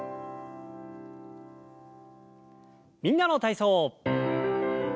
「みんなの体操」。